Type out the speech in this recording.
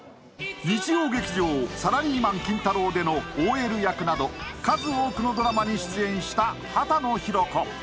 日曜劇場「サラリーマン金太郎」でのＯＬ役など数多くのドラマに出演した畑野ひろ子